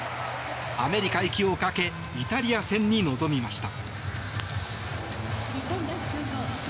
アメリカ行きをかけイタリア戦に臨みました。